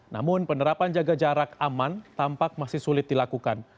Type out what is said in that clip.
namun penerapan jaga jarak aman tampak masih sulit dilakukan